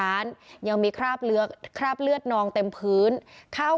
ร้านยังมีคราบเลือดคราบเลือดนองเต็มพื้นเข้า